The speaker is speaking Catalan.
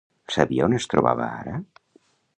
Sabia on es trobava ara?